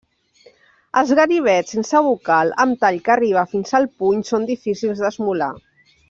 Els ganivets sense bocal, amb tall que arriba fins al puny són difícils d'esmolar.